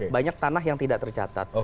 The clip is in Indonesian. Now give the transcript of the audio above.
banyak tanah yang tidak tercatat